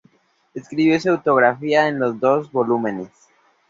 Escribió su autobiografía en dos volúmenes.